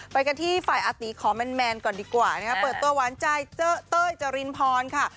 ไปกันที่ฝ่ายอาตีขอแมนก่อนดีกว่านะคะเปิดตัวหวานใจเจอเต้ยจรินพรค่ะ